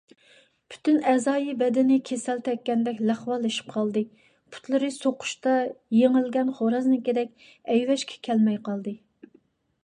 پۈتۈن ئەزايى - بەدىنى كېسەل تەگكەندەك لەقۋالىشىپ قالدى، پۇتلىرى سوقۇشتا يېڭىلگەن خورازنىڭكىدەك ئەيۋەشكە كەلمەي قالدى.